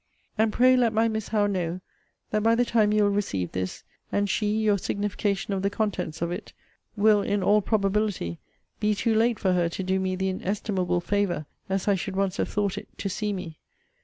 And pray let my Miss Howe know, that by the time you will receive this, and she your signification of the contents of it, will, in all probability, be too late for her to do me the inestimable favour, as I should once have thought it, to see me.